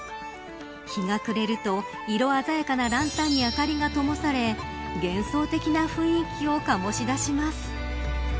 日が暮れると色鮮やかなランタンに明かりがともされ幻想的な雰囲気を醸し出します。